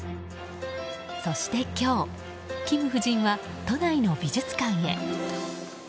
そして今日、キム夫人は都内の美術館へ。